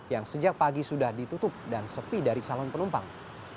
yang sejak pagi sudah ditutup dan sepi dari calon penumpang